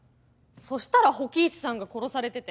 そしたら火鬼壱さんが殺されてて。